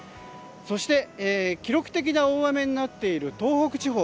そして、記録的な大雨になっている東北地方